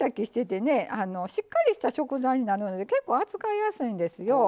しっかりした食材になるので結構扱いやすいんですよ。